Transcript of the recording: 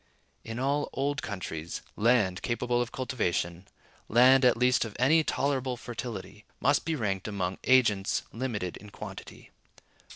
In all old countries, land capable of cultivation, land at least of any tolerable fertility, must be ranked among agents limited in quantity.